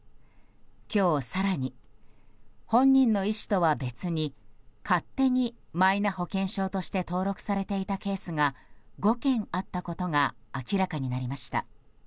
今日、更に本人の意思とは別に勝手にマイナ保険証として登録されていたケースが５件あったことが明らかになりました。